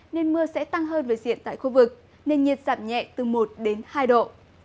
nên mưa sẽ tăng hơn về diện tại khu vực nền nhiệt giảm nhẹ từ một đến hai độ